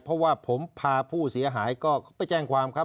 เพราะว่าผมพาผู้เสียหายก็ไปแจ้งความครับ